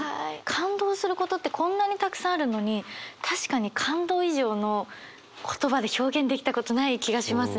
感動することってこんなにたくさんあるのに確かに「感動」以上の言葉で表現できたことない気がしますね。